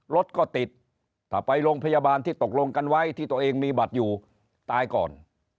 รถก็ติดถ้าไปโรงพยาบาลที่ตกลงกันไว้ที่ตัวเองมีบัตรอยู่ตายก่อน